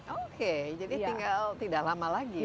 oke jadi tinggal tidak lama lagi